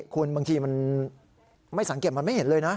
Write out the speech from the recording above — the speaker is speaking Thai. คุณบางทีมันไม่สังเกตมันไม่เห็นเลยนะ